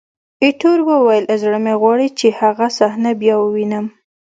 ایټور وویل: زړه مې غواړي چې هغه صحنه بیا ووینم.